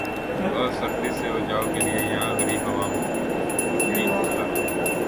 اور سردی سے بچائو کے لئے یہاں کے غریب عوام لکڑی جلاتے ہیں ۔